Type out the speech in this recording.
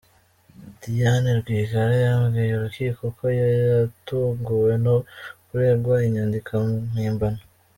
Diane Rwigara yabwiye urukiko ko yatunguwe no kuregwa inyandiko mpimbano.